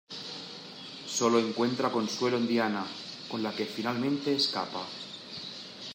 Sólo encuentra consuelo en Diana, con la que finalmente escapa.